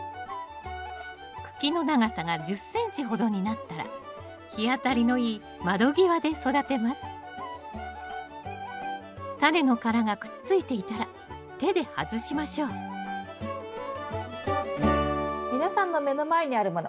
茎の長さが１０ｃｍほどになったらタネの殻がくっついていたら手で外しましょう皆さんの目の前にあるもの